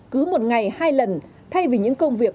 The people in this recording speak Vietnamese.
cứ một ngày hai lần thay vì những công việc